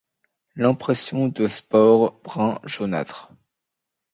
L'impression de spores brun jaunâtre.